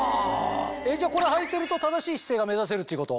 これはいてると正しい姿勢が目指せるっていうこと？